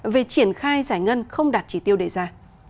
về triển khai giải ngân không đạt chỉ tiêu đề ra